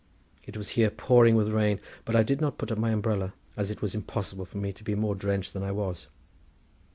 It was here pouring with rain, but I did not put up my umbrella as it was impossible for me to be more drenched than I was.